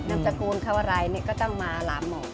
นำสกุลเขาอะไรก็ต้องมาลำหมด